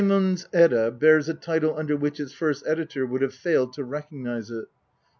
Saemund's Edda bears a title under which its first editor would have failed to recognise it.